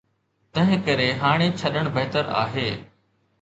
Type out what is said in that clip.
تنهن ڪري هاڻي ڇڏڻ بهتر آهي.